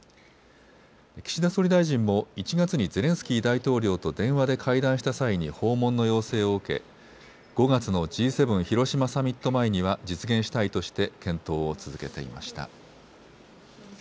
岸田総理大臣も１月にゼレンスキー大統領と電話で会談した際に訪問の要請を受け５月のＧ７広島サミット前には実現したいとして検討を続けていました。